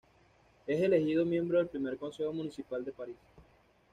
Es elegido miembro del primer consejo municipal de París.